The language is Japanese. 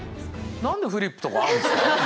何でフリップとかあるんですか？